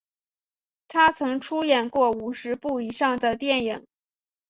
他曾出演过五十部以上的电影。